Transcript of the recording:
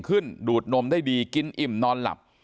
ดูดนมได้ดีกินอิ่มนอนหลับ